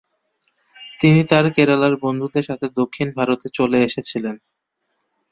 তিনি তার কেরালার বন্ধুদের সাথে দক্ষিণ ভারতে চলে এসেছিলেন।